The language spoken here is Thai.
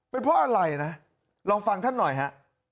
เป็นเพราะอะไรนะลองฟังท่านหน่อยฮะ